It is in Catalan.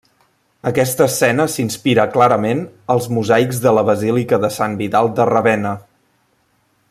Aquesta escena s'inspira clarament als mosaics de la basílica de Sant Vidal de Ravenna.